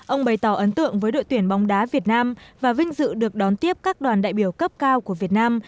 ông bày tỏ ấn tượng với đội tuyển bóng đá việt nam và vinh dự được đón tiếp các đoàn đại biểu cấp cao của việt nam